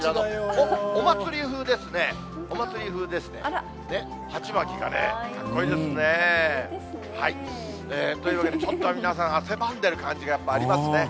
お祭り風ですね、鉢巻きがね、かっこいいですね。というわけで、ちょっと皆さん汗ばんでる感じがやっぱりありますね。